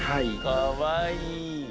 かわいい。